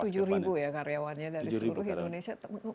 jadi tujuh karyawannya dari seluruh indonesia